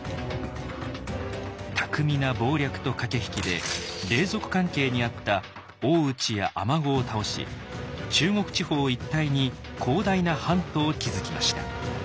巧みな謀略と駆け引きで隷属関係にあった大内や尼子を倒し中国地方一帯に広大な版図を築きました。